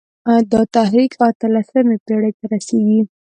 دا تحریک اته لسمې پېړۍ ته رسېږي.